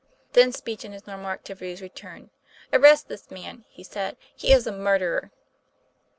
Then speech and his normal activities returned. "Arrest this man," he said; 'he is a murderer!"